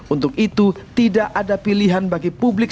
untuk itu tidak ada pilihan bagi publik